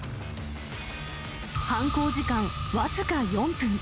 犯行時間僅か４分。